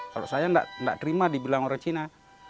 kalau saya tidak terima dibilang orang cina